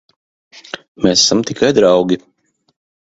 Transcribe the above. Mēs esam tikai draugi.